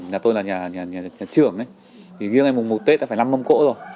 nhà tôi là nhà trưởng ấy thì riêng ngày mùng một tết là phải năm mông cỗ rồi